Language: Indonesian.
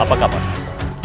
apakah paman amo